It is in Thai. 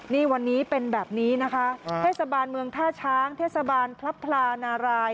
นี่วันนี้เป็นแบบนี้นะคะเทศบาลเมืองท่าช้างเทศบาลพลับพลานาราย